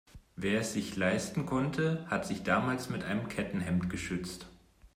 Wer es sich leisten konnte, hat sich damals mit einem Kettenhemd geschützt.